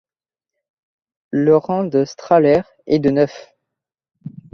Le rang de Strahler est de neuf.